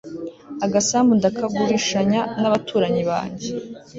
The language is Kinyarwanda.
agasambu ndakagurishanya nabaturanyi banjye